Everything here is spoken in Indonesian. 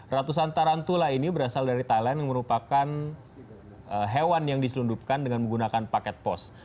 ratusan tarantula ini berasal dari thailand yang merupakan hewan yang diselundupkan dengan menggunakan paket pos